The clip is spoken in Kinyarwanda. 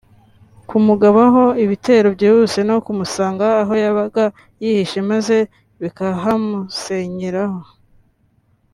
kumugabaho ibitero byihuse no kumusanga aho yabaga yihishe maze bikahamusenyeraho